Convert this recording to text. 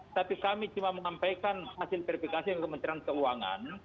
tapi kami cuma mengampaikan hasil verifikasi oleh kementerian keuangan